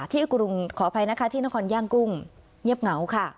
กรุงขออภัยนะคะที่นครย่างกุ้งเงียบเหงาค่ะ